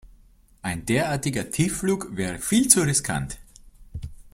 Ein derartiger Tiefflug wäre viel zu riskant.